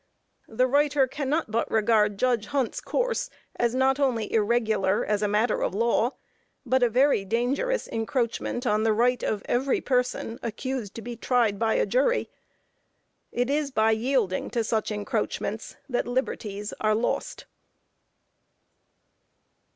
The writer cannot but regard Judge Hunt's course as not only irregular as a matter of law, but a very dangerous encroachment on the right of every person accused to be tried by a jury. It is by yielding to such encroachments that liberties are lost.